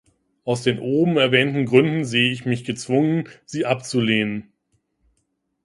Aus den oben erwähnten Gründen sehe ich mich gezwungen, sie abzulehnen.